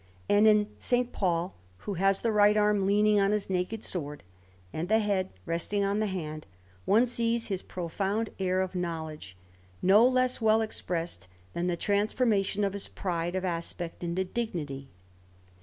And in a S. Paul, who has the right arm leaning on his naked sword, and the head resting on the hand, one sees his profound air of knowledge, no less well expressed than the transformation of his pride of aspect into dignity.